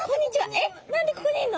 えっ何でここにいんの？